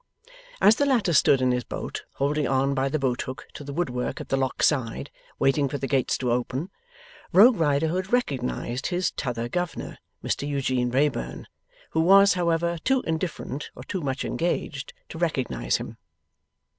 As the latter stood in his boat, holding on by the boat hook to the woodwork at the lock side, waiting for the gates to open, Rogue Riderhood recognized his 'T'other governor,' Mr Eugene Wrayburn; who was, however, too indifferent or too much engaged to recognize him.